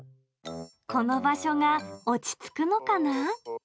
この場所が落ち着くのかな。